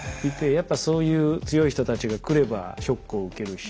やっぱそういう強い人たちが来ればショックを受けるし。